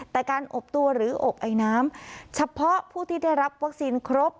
แต่การอบตัวหรืออบไอน้ำเฉพาะผู้ที่ได้รับวัคซีนครบ